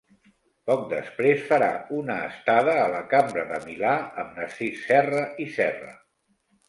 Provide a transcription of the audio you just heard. Poc després farà una estada a la Cambra de Milà amb Narcís Serra i Serra.